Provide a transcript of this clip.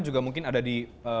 juga mungkin ada di